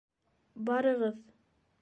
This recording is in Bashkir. Барығыҙ.